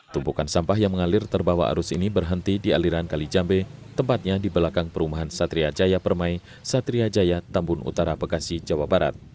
tumpukan sampah yang mengalir terbawa arus ini berhenti di aliran kali jambe tempatnya di belakang perumahan satria jaya permai satria jaya tambun utara bekasi jawa barat